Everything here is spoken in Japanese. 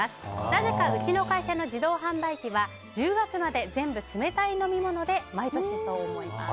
なぜかうちの会社の自動販売機は１０月まで全部冷たい飲み物で毎年そう思います。